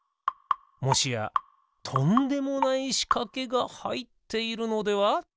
もしやとんでもないしかけがはいっているのでは？